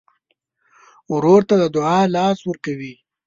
ورور ته د دعا سلام ورکوې.